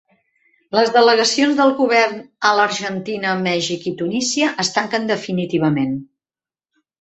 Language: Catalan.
Les delegacions del govern a l'Argentina, Mèxic i Tunísia es tanquen definitivament